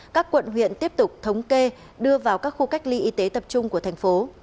các quận huyện tiếp tục thống kê đưa vào các khu cách ly y tế tập trung của thành phố